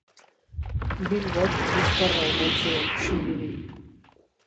Bilbok bizkarra eman zion Xuriri.